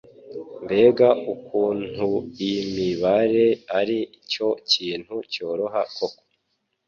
mbega ukuntuimibare ari cyo kintu cyoroha koko